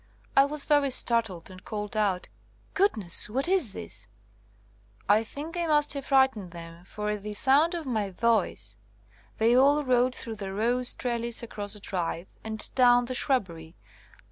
I was very startled, and called out, 'Goodness! what is this V I think I must have frightened them, for at the sound of my voice they all rode through the rose trellis across the drive, and down the shrubbery.